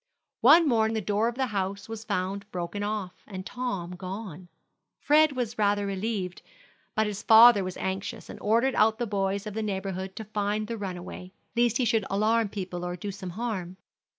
One morning the door of the house was found broken off, and Tom gone. Fred was rather relieved; but his father was anxious, and ordered out the boys of the neighborhood to find the runaway, lest he should alarm people or do some harm.